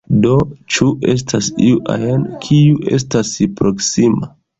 Do, ĉu estas iu ajn, kiu estas proksima?